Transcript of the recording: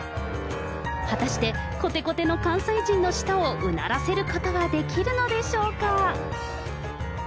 果たして、こてこての関西人の舌をうならせることはできるのでしょうか。